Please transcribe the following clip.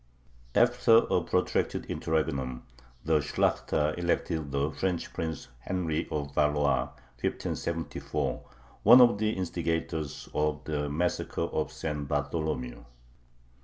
After a protracted interregnum, the Shlakhta elected the French prince Henry of Valois (1574), one of the instigators of the Massacre of St. Bartholomew.